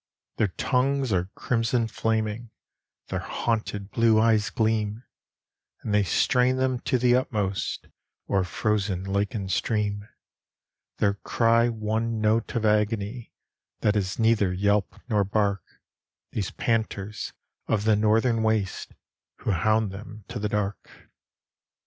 Their tongues are crimson flaming, Their haunted blue eyes gleam, And they strain them to the utmost O’er frozen lake and stream; Their cry one note of agony, That is neither yelp nor bark, These panters of the northern waste, Who hound them to the dark.